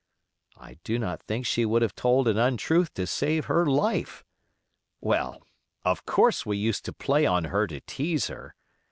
I do not think she would have told an untruth to save her life. Well, of course we used to play on her to tease her.